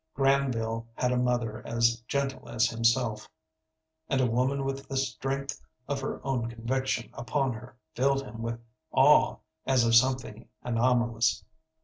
Granville had a mother as gentle as himself, and a woman with the strength of her own conviction upon her filled him with awe as of something anomalous.